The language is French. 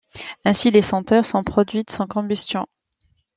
Ainsi les senteurs sont produites sans combustion.